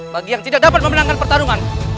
bagi yang tidak dapat memenangkan pertarungan